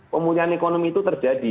pemulihan ekonomi itu terjadi